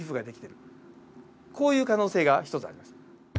こういう可能性が１つあります。